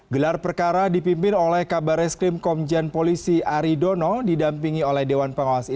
gelar perkara dipimpin oleh kabarres krim komjen polisi aridono didampingi oleh dewan pengawas intensi